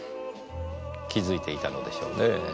気づいていたのでしょうねぇ。